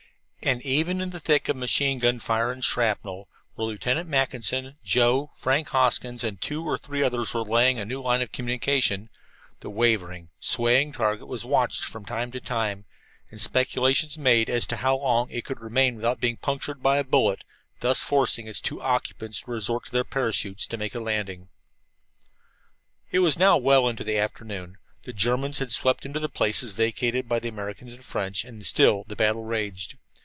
And even in the thick of machine gun fire and shrapnel, where Lieutenant Mackinson, Joe, Frank Hoskins and two or three others were laying a new line of communication, the wavering, swaying target was watched from time to time, and speculations made as to how long it could remain without being punctured by a bullet, thus forcing its two occupants to resort to their parachutes to make a landing. It was now well into the afternoon. The Germans had swept into the places vacated by the Americans and French, and still the battle raged.